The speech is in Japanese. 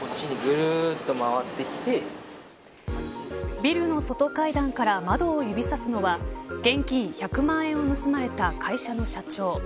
ビルの外階段から窓を指さすのは現金１００万円を盗まれた会社の社長。